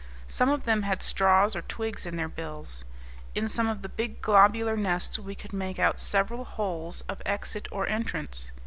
Some of them had straws or twigs in their bills. In some of the big globular nests we could make out several holes of exit or entrance.